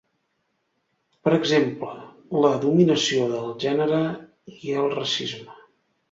Per exemple, la dominació de gènere i el racisme.